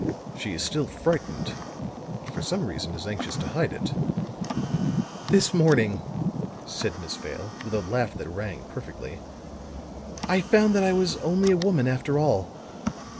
"She is still frightened, but for some reason is anxious to hide it." "This morning," said Miss Vale, with a laugh that rang perfectly, "I found that I was only a woman after all.